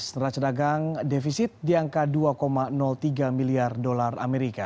neraca dagang defisit di angka dua tiga miliar dolar amerika